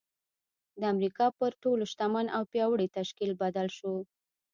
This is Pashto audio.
د امريکا پر تر ټولو شتمن او پياوړي تشکيل بدل شو.